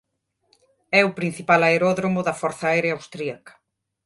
É o principal aeródromo da Forza Aérea austríaca.